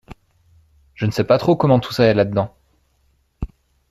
Je ne sais pas trop comment tout ça est là dedans ?